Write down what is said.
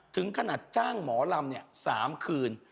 ถึงขนาดจ้างหมอลำ๓คืน